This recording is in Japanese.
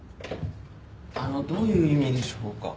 あのどういう意味でしょうか？